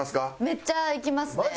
めっちゃ行きますね。